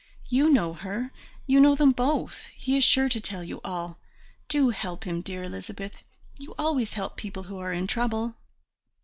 You know her, you know them both, he is sure to tell you all. Do help him, dear Elizabeth; you always help people who are in trouble."